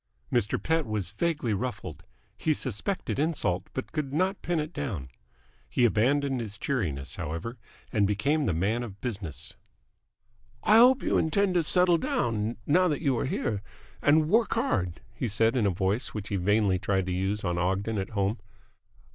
Mr. Pett was vaguely ruffled. He suspected insult, but could not pin it down. He abandoned his cheeriness, however, and became the man of business. "I hope you intend to settle down, now that you are here, and work hard," he said in the voice which he vainly tried to use on Ogden at home.